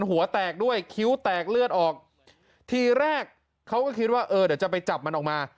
หัวแตกด้วยคิ้วแตกเลือดออกทีแรกเขาก็คิดว่าเออเดี๋ยวจะไปจับมันออกมา